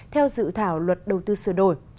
theo dự thảo luật đầu tư sửa đổi